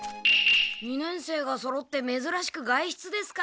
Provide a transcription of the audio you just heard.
二年生がそろってめずらしく外出ですか。